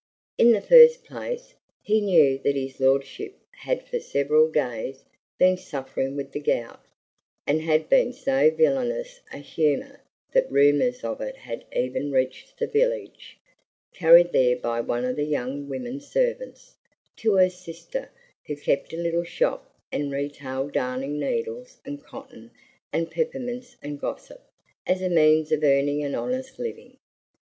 In the first place, he knew that his lordship had for several days been suffering with the gout, and had been in so villainous a humor that rumors of it had even reached the village carried there by one of the young women servants, to her sister, who kept a little shop and retailed darning needles and cotton and peppermints and gossip, as a means of earning an honest living.